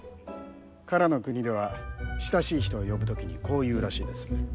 唐の国では親しい人を呼ぶ時にこう言うらしいです。